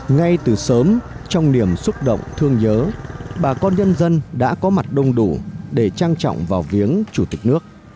ngay từ sớm trong niềm xúc động thương nhớ bà con nhân dân đã có mặt đông đủ để trang trọng vào viếng chủ tịch nước